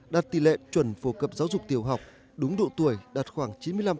đạt tỷ lệ chuẩn phổ cập giáo dục tiểu học đúng độ tuổi đạt khoảng chín mươi năm